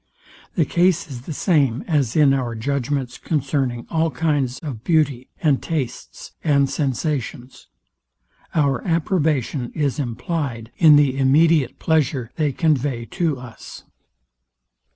The case is the same as in our judgments concerning all kinds of beauty, and tastes, and sensations. Our approbation is implyed in the immediate pleasure they convey to us.